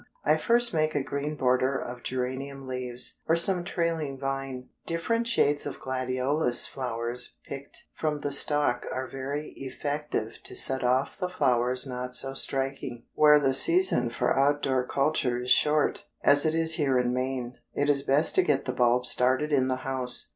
I first make a green border of geranium leaves, or some trailing vine. Different shades of gladiolus flowers picked from the stalk are very effective to set off the flowers not so striking. Where the season for out door culture is short, as it is here in Maine, it is best to get the bulbs started in the house.